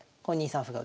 ２三歩に。